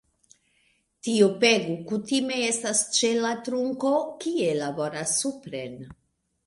Tiu pego kutime estas ĉe la trunko, kie laboras supren.